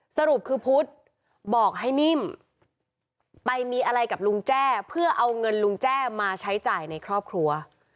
สรุปคือพุทธบอกให้นิ่มไปมีอะไรกับลุงแจ้เพื่อเอาเงินลุงแจ้มาใช้จ่ายในครอบครัว